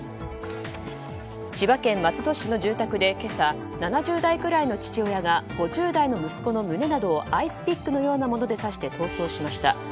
千葉県松戸市の住宅で今朝７０代くらいの父親が５０代の息子の胸などをアイスピックのようなもので刺して逃走しました。